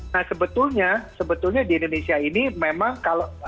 nah sebetulnya sebetulnya di indonesia ini memang kalau